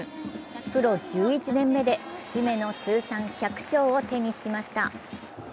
プロ１１年目で節目の通算１００勝を手にしました。